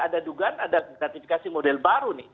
ada dugaan ada gratifikasi model baru nih